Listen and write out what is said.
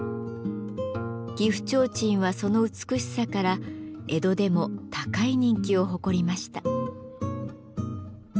岐阜提灯はその美しさから江戸でも高い人気を誇りました。